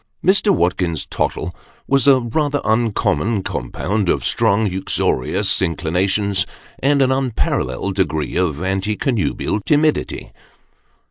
Mr. Watkins Tottle was a rather uncommon compound of strong uxorious inclinations, and an unparalleled degree of anti connubial timidity.